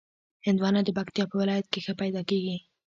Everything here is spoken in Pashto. هندوانه د پکتیا په ولایت کې ښه پیدا کېږي.